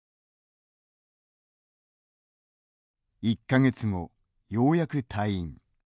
１か月後、ようやく退院。